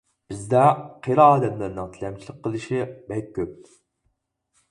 بىزدە قىرى ئادەملەرنىڭ تىلەمچىلىك قىلىشى بەك كۆپ.